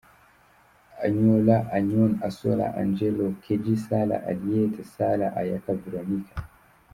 Anyola Anyon Asola Angelo Keji Sarah Aliet Sarah Ayak Veronica.